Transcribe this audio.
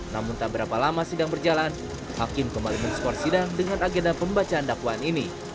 namun tak berapa lama sidang berjalan hakim kembali men skor sidang dengan agenda pembacaan dakwaan ini